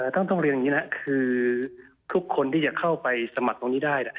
ต้องเรียนอย่างนี้นะครับคือทุกคนที่จะเข้าไปสมัครตรงนี้ได้